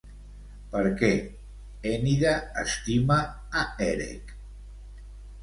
Per què Enide estima a Erec?